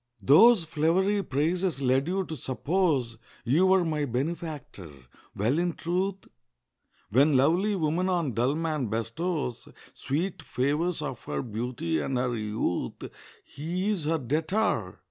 Those flowery praises led you to suppose You were my benefactor. Well, in truth, When lovely woman on dull man bestows Sweet favours of her beauty and her youth, He is her debtor.